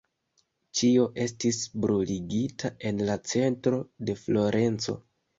Ĉio estis bruligita en la centro de Florenco.